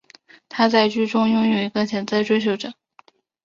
她在剧中拥有一个潜在追求者。